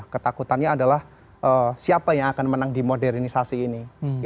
ketakutannya adalah siapa yang akan menang di modernisasi ini